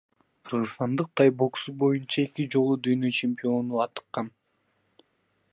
Кыргызстандык тай боксу боюнча эки жолу дүйнө чемпиону атыккан.